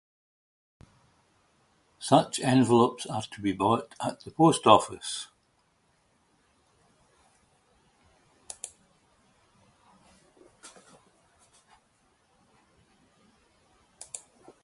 Such envelopes are to be bought at the post-office.